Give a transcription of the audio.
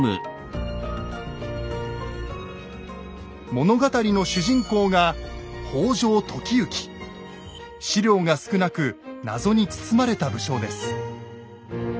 物語の主人公が史料が少なく謎に包まれた武将です。